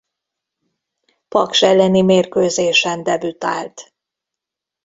Paks elleni mérkőzésen debütált.